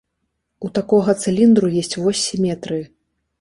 У такога цыліндру ёсць вось сіметрыі.